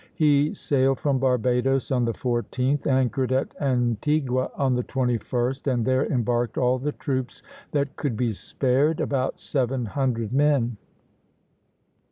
He sailed from Barbadoes on the 14th, anchored at Antigua on the 21st, and there embarked all the troops that could be spared, about seven hundred men.